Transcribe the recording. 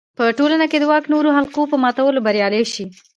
په ټولنه کې د واک نورو حلقو په ماتولو بریالی شي.